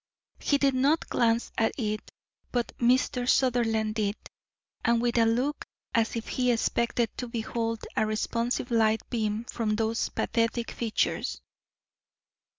He did not glance at it, but Mr. Sutherland did, and with a look as if he expected to behold a responsive light beam from those pathetic features.